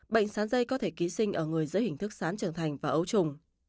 bệnh sán dây có thể ký sinh ở người dưới hình thức sán trường thành và ấu trùng